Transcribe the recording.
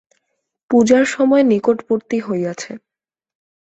পূজার সময় নিকটবর্তী হইয়াছে।